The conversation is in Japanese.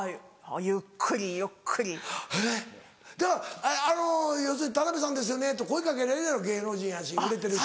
だから要するに「田辺さんですよね？」って声掛けられるやろ芸能人やし売れてるし。